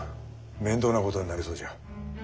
面倒なことになりそうじゃ。